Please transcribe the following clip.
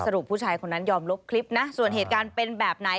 ผู้ชายคนนั้นยอมลบคลิปนะส่วนเหตุการณ์เป็นแบบไหน